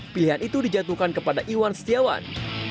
pilihan itu dijatuhkan kepada iwan setiawan